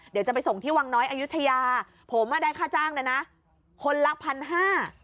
เดี๋ยวจะไปส่งที่วังน้อยอายุทยาผมอ่ะได้ค่าจ้างนะนะคนละพันห้า